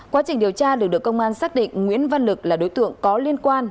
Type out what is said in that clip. quá trình điều tra được được công an xác định nguyễn văn lực là đối tượng có liên quan